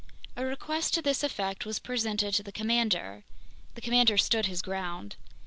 A request to this effect was presented to the commander. The commander stood his ground.